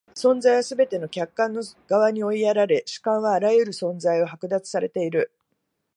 存在はすべて客観の側に追いやられ、主観はあらゆる存在を剥奪されている。